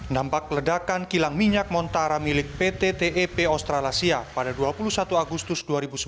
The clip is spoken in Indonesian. nampak ledakan kilang minyak montara milik pt tep australasia pada dua puluh satu agustus dua ribu sembilan belas